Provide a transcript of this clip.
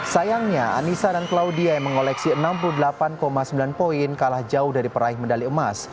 sayangnya anissa dan claudia yang mengoleksi enam puluh delapan sembilan poin kalah jauh dari peraih medali emas